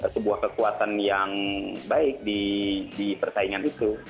sebuah kekuatan yang baik di persaingan itu